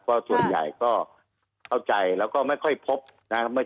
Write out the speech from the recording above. ก็ส่วนใหญ่ก็เข้าใจแล้วก็ไม่ค่อยพบนะครับ